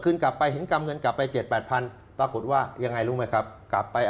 กลับไปเห็นกำเงินกลับไปเจ็ดแปดพันปรากฏว่ายังไงรู้ไหมครับกลับไป